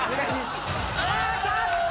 当たった！